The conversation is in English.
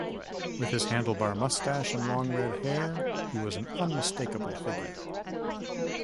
With his handlebar moustache and long red hair, he was an unmistakable figure.